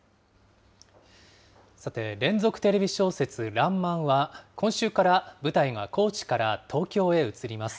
さて、連続テレビ小説、らんまんは、今週から舞台が高知から東京へ移ります。